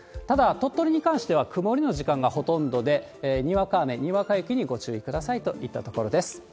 ただ、鳥取に関しては曇りの時間がほとんどで、にわか雨、にわか雪にご注意くださいといったところです。